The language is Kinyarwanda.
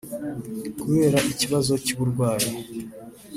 Kubera ikibazo cy’uburwayi